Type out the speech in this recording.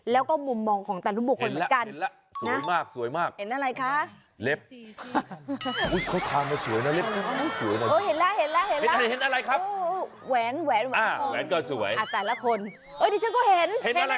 แล้วก็มุมมองของแต่ละบุคคลเหมือนกัน